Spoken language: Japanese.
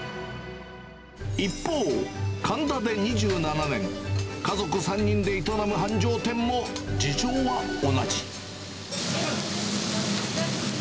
一方、神田で２７年、家族３人で営む繁盛店も、事情は同じ。